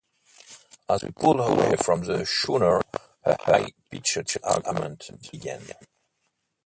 As we pulled away from the schooner a high-pitched argument began.